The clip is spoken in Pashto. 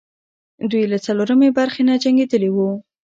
دوی له څلورمې برخې نه جنګېدلې وو.